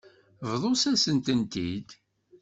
Bḍut-asent-tent-id.